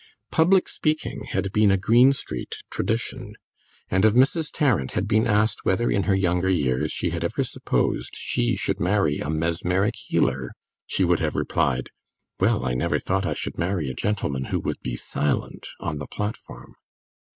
Public speaking had been a Greenstreet tradition, and if Mrs. Tarrant had been asked whether in her younger years she had ever supposed she should marry a mesmeric healer, she would have replied: "Well, I never thought I should marry a gentleman who would be silent on the platform!"